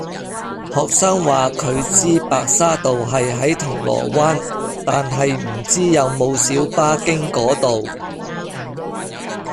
學生話佢知白沙道係喺銅鑼灣，但係唔知有冇小巴經嗰度